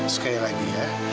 sekali lagi ya